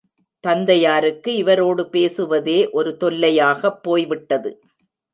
தந்தையாருக்கு இவரோடு பேசுவதே ஒரு தொல்லையாகப் போய்விட்டது.